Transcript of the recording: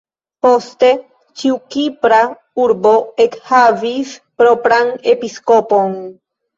Poste ĉiu kipra urbo ekhavis propran episkopon.